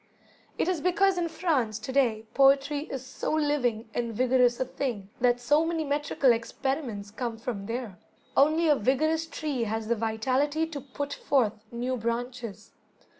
It is because in France, to day, poetry is so living and vigorous a thing, that so many metrical experiments come from there. Only a vigorous tree has the vitality to put forth new branches.